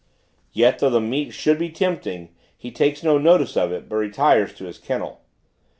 Yet, though the meat should be tempting, he takes no notice of it; but retires to his kennel.